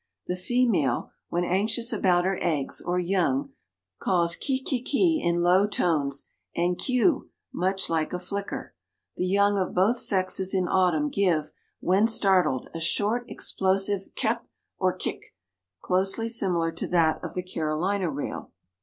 The female, when anxious about her eggs or young, calls ki ki ki in low tones and kiu, much like a flicker. The young of both sexes in autumn give, when startled, a short, explosive kep or kik, closely similar to that of the Carolina rail.